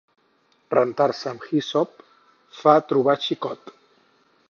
Rentar-se amb hisop fa trobar xicot.